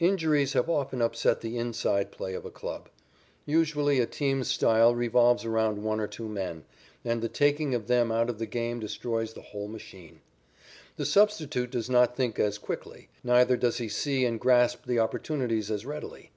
Injuries have often upset the "inside" play of a club. Usually a team's style revolves around one or two men, and the taking of them out of the game destroys the whole machine. The substitute does not think as quickly; neither does he see and grasp the opportunities as readily.